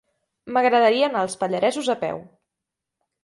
M'agradaria anar als Pallaresos a peu.